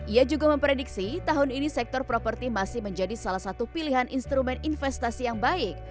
ia juga memprediksi tahun ini sektor properti masih menjadi salah satu pilihan instrumen investasi yang baik